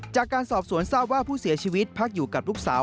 จากการสอบสวนทราบว่าผู้เสียชีวิตพักอยู่กับลูกสาว